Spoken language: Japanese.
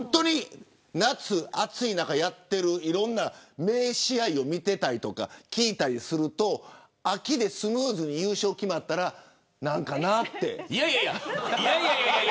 夏の暑い中にやっている名試合を見ていたり聞いたりすると秋でスムーズに優勝が決まったらなんかなって。